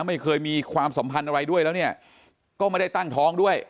มีความสัมพันธ์อะไรด้วยแล้วเนี่ยก็ไม่ได้ตั้งท้องด้วย